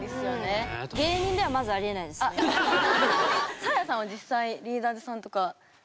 サーヤさんは実際リーダーズさんとか。